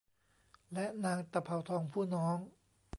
และนางตะเภาทองผู้น้อง